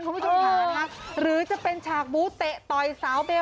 รู้หรือจะเป็นชาวบูตะต่อยสาวเบลล์